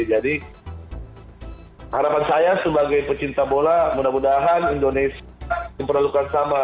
jadi harapan saya sebagai pecinta bola mudah mudahan indonesia diperlukan sama